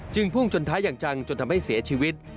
พุ่งชนท้ายอย่างจังจนทำให้เสียชีวิต